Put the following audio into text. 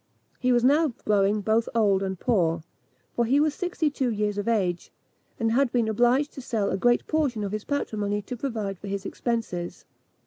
He was now growing both old and poor; for he was sixty two years of age, and had been obliged to sell a great portion of his patrimony to provide for his expenses.